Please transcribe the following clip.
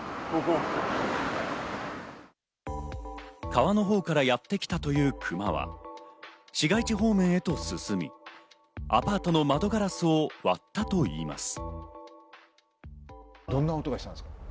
川のほうからやってきたというクマは、市街地方面へと進み、アパートの窓ガラスを割ったといいます。